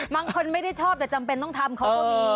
บางคนไม่ได้ชอบแต่จำเป็นต้องทำเขาก็มี